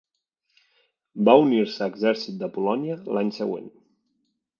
Va unir-se a exèrcit de Polònia l'any següent.